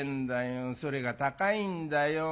それが高いんだよ。